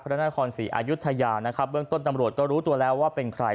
พระนครศรีอายุทยานะครับเบื้องต้นตำรวจก็รู้ตัวแล้วว่าเป็นใคร